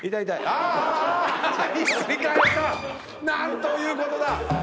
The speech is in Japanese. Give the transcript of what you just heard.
何ということだ！